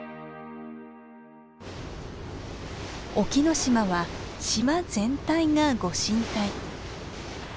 沖ノ島は島全体がご神体。